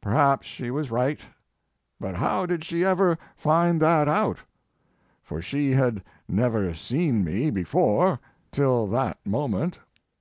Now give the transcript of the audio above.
Perhaps she was right; but how did she ever find that out? For she had never seen me before till that moment.